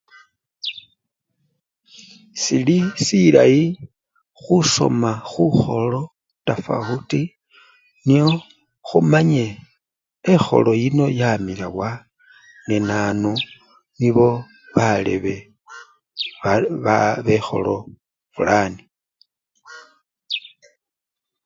Sili silayi khusoma khukholo tafawuti nyo khumanye ekholo yino yamila waa nenanu nibo balebe ba baa bekholo fulani.